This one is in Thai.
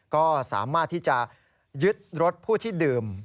ก็สามารถที่จะยึดรถผู้ที่ดื่ม